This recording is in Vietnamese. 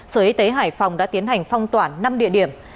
sở y tế hải phòng đã tiến hành phong tỏa năm địa điểm